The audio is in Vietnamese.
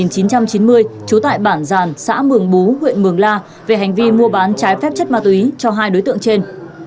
trú tại bản giàn xã mường bú huyện mường la về hành vi mua bán trái phép chất ma túy cho hai đối tượng trên